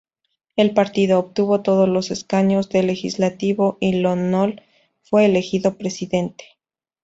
El partido obtuvo todos los escaños del legislativo y Lon Nol fue elegido presidente.